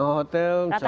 oh hotel insya allah